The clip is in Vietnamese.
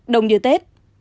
đồng như tết